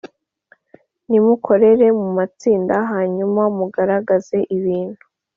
Nimukorere mu matsinda hanyuma mugaragaze ibintu